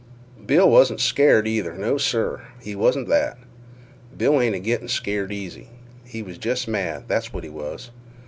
"Bill wasn't scared either. No, sir! It wasn't that. Bill ain't a gittin' scared easy. He was jest mad, that's what he was.